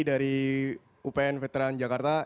dari upn veteran jakarta